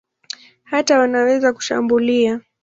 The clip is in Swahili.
Hata wanaweza kushambulia.